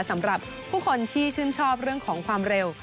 สำหรับผู้คนที่ชื่นชอบเรื่องของความเร็ว